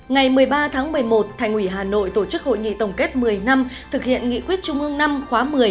ngày một mươi ba tháng một mươi một thành ủy hà nội tổ chức hội nghị tổng kết một mươi năm thực hiện nghị quyết trung ương năm khóa một mươi